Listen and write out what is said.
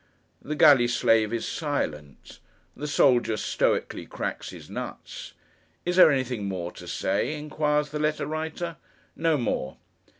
The galley slave is silent. The soldier stoically cracks his nuts. Is there anything more to say? inquires the letter writer. No more.